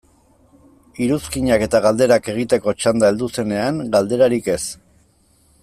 Iruzkinak eta galderak egiteko txanda heldu zenean, galderarik ez.